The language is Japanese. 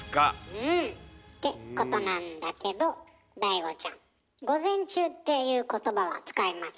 うん。ってことなんだけどＤＡＩＧＯちゃん「午前中」っていう言葉は使いますね？